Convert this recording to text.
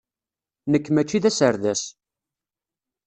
Nekk mačči d aserdas.